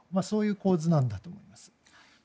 そういう構図なんだと思います。